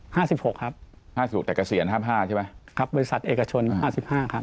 ห้าสิบหกครับห้าสิบหกแต่เกษียณห้าห้าใช่ไหมครับบริษัทเอกชนห้าสิบห้าครับ